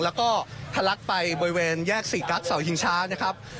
แล้วก็ทะลักไปบริเวณแยกสี่กั๊กเสาชิงช้านะครับ